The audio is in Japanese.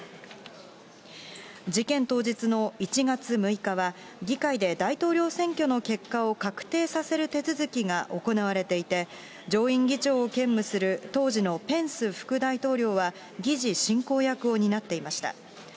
事件当日の１月６日は、議会で大統領選挙の結果を確定させる手続きが行われていて、上院議長を兼務する当時のペンス副大統領は、議事進行役を担っていました。